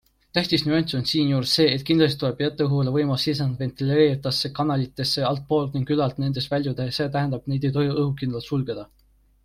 Tähtis nüanss on siinjuures see, et kindlasti tuleb jätta õhule võimalus siseneda ventileeritavatesse kanalitesse altpoolt ning ülalt nendest väljuda, st neid ei tohi õhukindlalt sulgeda.